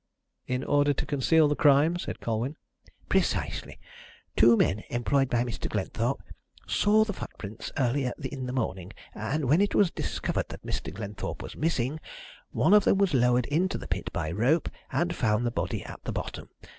"In order to conceal the crime?" said Colwyn. "Precisely. Two men employed by Mr. Glenthorpe saw the footprints earlier in the morning, and when it was discovered that Mr. Glenthorpe was missing, one of them was lowered into the pit by a rope and found the body at the bottom.